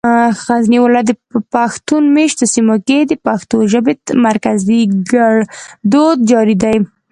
غزني ولايت په پښتون مېشتو سيمو کې د پښتو ژبې مرکزي ګړدود جاري دی.